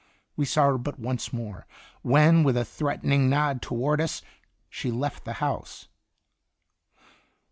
We saw her but once more, when with a threatening nod toward us she left the house.